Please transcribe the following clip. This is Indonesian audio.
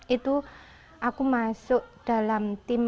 itu aku masuk dalam tim